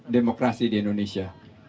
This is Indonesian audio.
demokrasi di indonesia